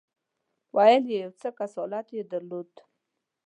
ویل یې یو څه کسالت یې درلود.